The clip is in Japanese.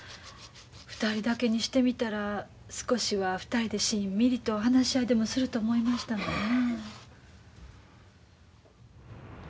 ２人だけにしてみたら少しは２人でしんみりと話し合いでもすると思いましたのになあ。